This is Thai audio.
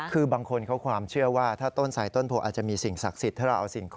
คือบางคนเขาความเชื่อว่าต้นใสต้นโพอาจจะมีสิ่งศักดิ์สิทธิ์